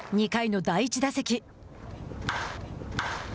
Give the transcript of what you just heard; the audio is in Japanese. ２回の第１打席。